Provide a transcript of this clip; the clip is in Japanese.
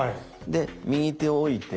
で右手を置いて。